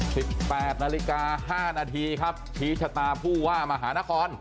สิบแปดนาฬิกาห้านาทีครับชี้ชะตาผู้ว่ามหานคร